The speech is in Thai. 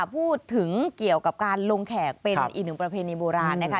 พูดถึงเกี่ยวกับการลงแขกเป็นอีกหนึ่งประเพณีโบราณนะคะ